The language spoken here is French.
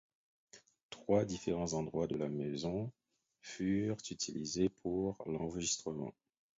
Trois différents endroits de la maison furent utilisés pour l'enregistrement.